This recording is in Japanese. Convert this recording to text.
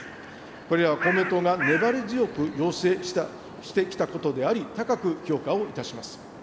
これは公明党が粘り強く要請してきたことであり、高く評価をいたします。